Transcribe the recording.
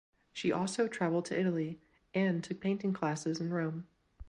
She also travelled to Italy and took painting classes in Rome.